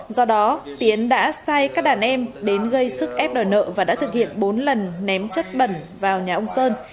do đó tiến đã sai các đàn em đến gây sức ép đòi nợ và đã thực hiện bốn lần ném chất bẩn vào nhà ông sơn